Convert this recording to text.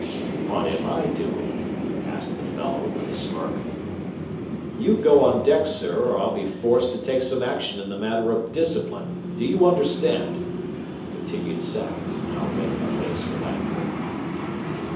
"What am I doing?" asked the fellow, with a smirk. "You go on deck, sir, or I'll be forced to take some action in the matter of discipline. Do you understand?" continued Sackett, now red in the face with anger.